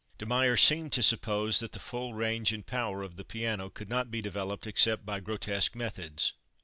De Meyer seemed to suppose that the full range and power of the piano could not be developed except by grotesque methods.